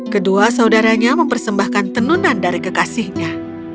kedua saudaranya mempersembahkan tenunan dari kekasihnya